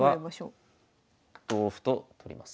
これは同歩と取ります。